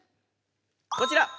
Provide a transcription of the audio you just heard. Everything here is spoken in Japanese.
こちら！